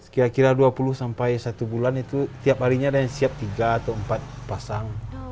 kira kira dua puluh sampai satu bulan itu tiap harinya ada yang siap tiga atau empat pasang